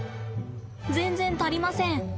全然足りません。